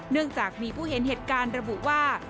เนื่องจากมีผู้เห็นเหตุการณ์ระบุว่า